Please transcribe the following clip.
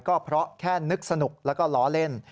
ก็เพราะแค่นึกสนุกแล้วก็ล้อเล่น